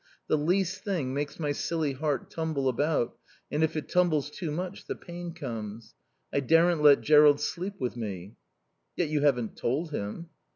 The least thing makes my silly heart tumble about, and if it tumbles too much the pain comes. I daren't let Jerrold sleep with me." "Yet you haven't told him."